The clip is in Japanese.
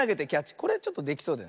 これちょっとできそうだよ。